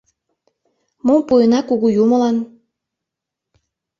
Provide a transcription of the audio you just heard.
Мом пуэна Кугу Юмылан?